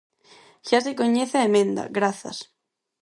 Xa se coñece a emenda, grazas.